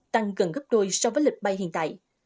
tăng gần gấp đôi so với lịch bay hiện tại